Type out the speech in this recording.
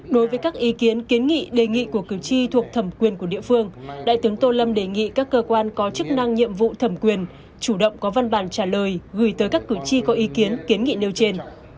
đối với các ý kiến kiến nghị đề nghị của cử tri thuộc thẩm quyền của địa phương đại tướng tô lâm đề nghị các cơ quan có chức năng nhiệm vụ thẩm quyền chủ động có văn bản trả lời gửi tới các cử tri có ý kiến kiến nghị nêu trên